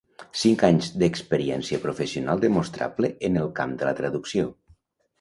Cinc anys d’experiència professional demostrable en el camp de la traducció.